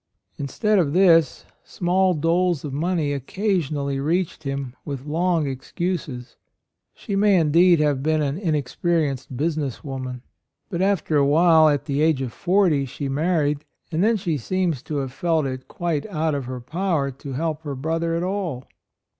Instead of this small doles of money occasion ally reached him with long AND MOTHER. 113 excuses; she may, indeed, have been an inexperienced business woman. But after a while, at the age of forty, she married, and then she seems to have felt it quite out of her power to help her brother at all.